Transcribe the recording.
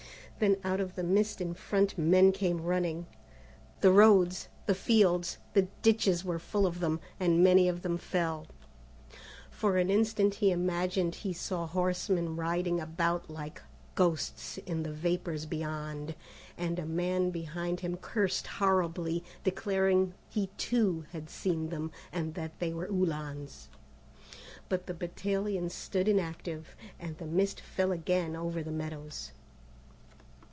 Then out of the mist in front men came running. The roads, the fields, the ditches were full of them, and many of them fell. For an instant he imagined he saw horsemen riding about like ghosts in the vapours beyond, and a man behind him cursed horribly, declaring he too had seen them, and that they were Uhlans; but the battalion stood inactive, and the mist fell again over the meadows.